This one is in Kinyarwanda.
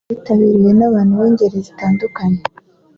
cyitabiriwe n’abantu b’ingeri zitandukanye